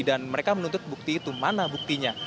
dan mereka menuntut bukti itu mana buktinya